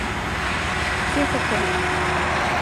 Se chockad ut.